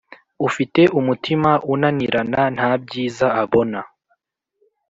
ufite umutima unanirana nta byiza abona,